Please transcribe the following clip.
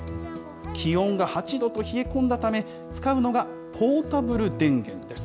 気温が８度と冷え込んだため、使うのがポータブル電源です。